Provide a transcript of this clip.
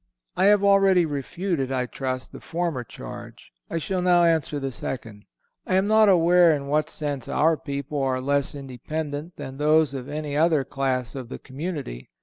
I have already refuted, I trust, the former charge. I shall now answer the second. I am not aware in what sense our people are less independent than those of any other class of the community.